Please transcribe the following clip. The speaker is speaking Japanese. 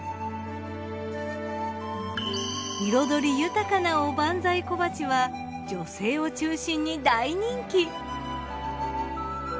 彩り豊かなおばんざい小鉢は女性を中心に大人気。